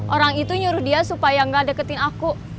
orang itu nyuruh dia supaya gak deketin aku